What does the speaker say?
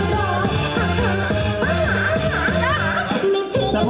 รู้ไหมก็ไหล่